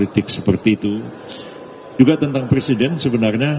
dan juga tentang presiden sebenarnya